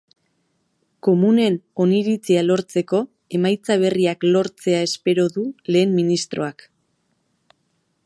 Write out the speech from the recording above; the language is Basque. Komunen oniritzia lortzeko emaitza berriak lortzea espero du lehen ministroak.